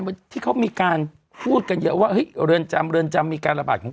วันที่เขามีการพูดกันเยอะว่าเฮ้ยเรือนจำเรือนจำมีการระบาดของ